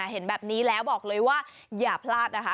เห็นแบบนี้แล้วบอกเลยว่าอย่าพลาดนะคะ